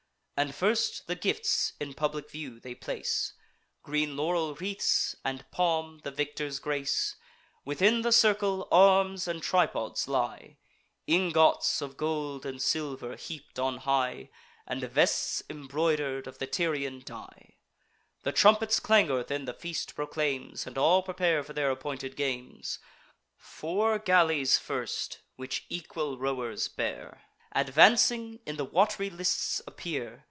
And first the gifts in public view they place, Green laurel wreaths, and palm, the victors' grace: Within the circle, arms and tripods lie, Ingots of gold and silver, heap'd on high, And vests embroider'd, of the Tyrian dye. The trumpet's clangour then the feast proclaims, And all prepare for their appointed games. Four galleys first, which equal rowers bear, Advancing, in the wat'ry lists appear.